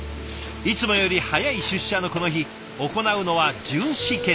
いつもより早い出社のこの日行うのは巡視検査。